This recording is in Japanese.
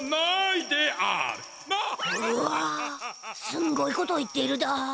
すんごいこと言ってるだ。